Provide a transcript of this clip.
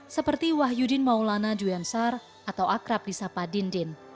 seperti wahyudin maulana dwiansar atau akrab disa padindin